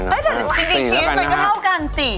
แต่จริงชีสมันก็เท่ากันสิ